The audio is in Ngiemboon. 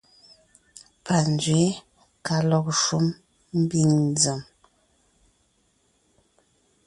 Panzwě ka lɔg shúm ḿbiŋ nzèm.